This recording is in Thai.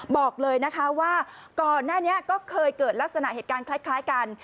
บอกเลยนะคะว่าก่อนหน้านี้ก็เคยเกิดลักษณะเหตุการณ์คล้ายกัน